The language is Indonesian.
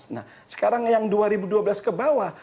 nah sekarang yang dua ribu dua belas kebawah